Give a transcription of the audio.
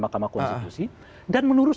mahkamah konstitusi dan menurut